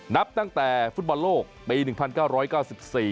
นับตั้งแต่ฟุตบันโลกปี๑๙๙๔